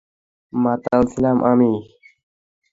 মাতাল ছিলাম আমি!